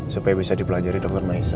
supaya bisa dipelajari dokter maisa